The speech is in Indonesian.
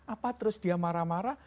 apa terus dia marah marah